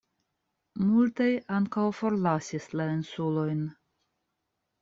Multaj ankaŭ forlasis la insulojn.